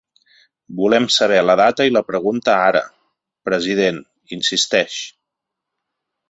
Volem saber la data i la pregunta ara, president, insisteix.